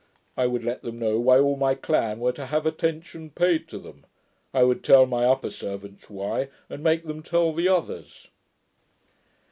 I would let them know why all of my clan were to have attention paid to them. I would tell my upper servants why, and make them tell the others.'